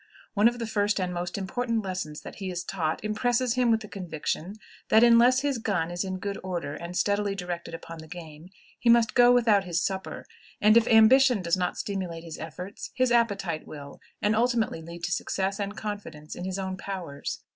One of the first and most important lessons that he is taught impresses him with the conviction that, unless his gun is in good order and steadily directed upon the game, he must go without his supper; and if ambition does not stimulate his efforts, his appetite will, and ultimately lead to success and confidence in his own powers.